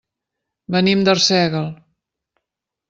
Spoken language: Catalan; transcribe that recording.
Venim d'Arsèguel.